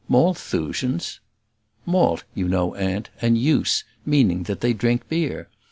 "Malthusians!" "'Malt,' you know, aunt, and 'use;' meaning that they drink beer.